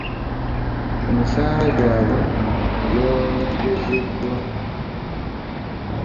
Emisaala gyabwe gyongezeddwa.